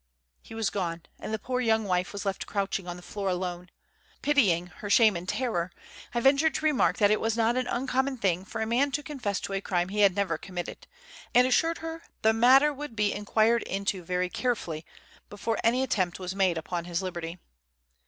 He was gone, and the poor young wife was left crouching on the floor alone. Pitying her shame and terror, I ventured to remark that it was not an uncommon thing for a man to confess to a crime he had never committed, and assured her that the matter would be inquired into very carefully before any attempt was made upon his liberty.